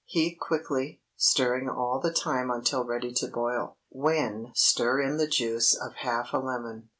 Heat quickly, stirring all the time until ready to boil, when stir in the juice of half a lemon.